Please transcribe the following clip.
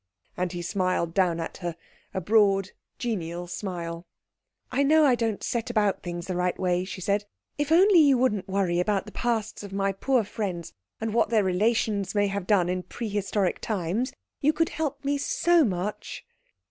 And he smiled down at her, a broad, genial smile. "I know I don't set about things the right way," she said. "If only you wouldn't worry about the pasts of my poor friends and what their relations may have done in pre historic times, you could help me so much."